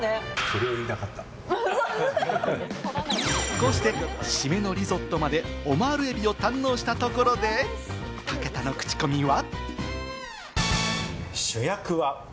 こうして、締めのリゾットまでオマール海老を堪能したところで、武田のクチコミは。